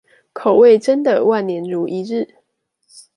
口味真的萬年如一日